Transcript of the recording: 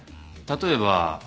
例えば。